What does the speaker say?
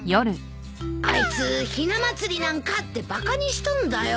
あいつ「ひな祭りなんか」ってバカにしたんだよ。